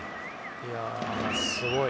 すごい。